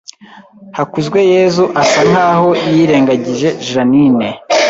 Hakuzweyezu asa nkaho yirengagije Jeaninne